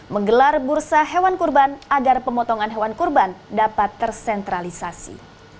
menggelar bursa hewan kurban agar pemotongan hewan kurban dapat tersentralisasi